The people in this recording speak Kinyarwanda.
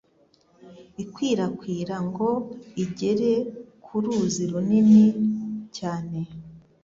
ikwirakwira ngo igere ku ruzi runini cyane